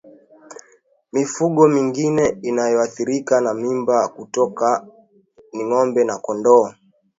Mifugo mingine inayoathirika na mimba kutoka ni ngombe na kondoo